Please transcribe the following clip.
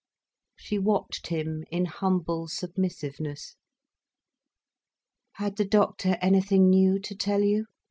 She watched him in humble submissiveness. "Had the doctor anything new to tell you?"